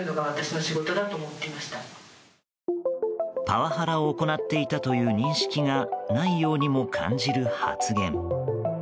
パワハラを行っていたという認識がないようにも感じる発言。